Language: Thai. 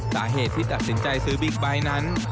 สาเหตุที่ตัดสินใจซื้อบิ๊กไบท์นั้น